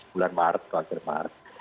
bulan maret kelasir maret